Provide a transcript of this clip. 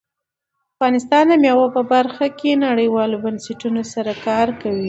افغانستان د مېوې په برخه کې نړیوالو بنسټونو سره کار کوي.